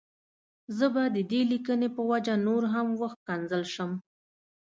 زه به د دې ليکنې په وجه نور هم وشکنځل شم.